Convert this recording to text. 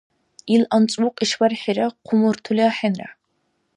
Ил анцӀбукь ишбархӀира хъумуртули ахӀенра.